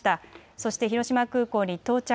そして広島空港に到着。